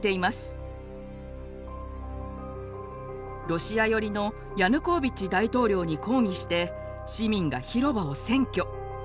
ロシア寄りのヤヌコービッチ大統領に抗議して市民が広場を占拠。